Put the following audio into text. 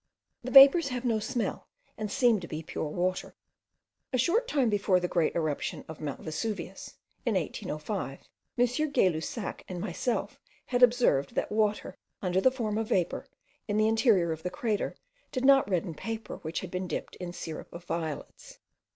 The vapours have no smell, and seem to be pure water. A short time before the great eruption of Mount Vesuvius, in 1805, M. Gay Lussac and myself had observed that water, under the form of vapour, in the interior of the crater, did not redden paper which had been dipped in syrup of violets.